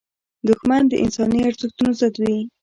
دښمن د انساني ارزښتونو ضد وي